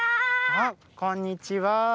あっこんにちは。